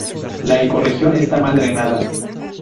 La ecorregión está mal drenada.